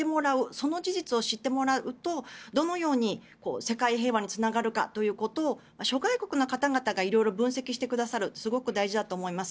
その事実を知ってもらうとどのように世界平和につながるかということを諸外国の方々が色々分析してくださるすごく大事だと思います。